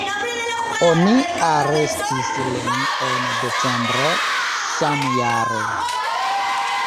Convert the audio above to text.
Oni arestis lin en decembro samjare.